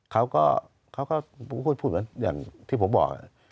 เขาก็พูดอย่างที่ผมบอก